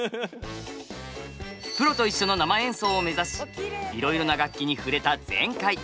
プロと一緒の生演奏を目指しいろいろな楽器に触れた前回。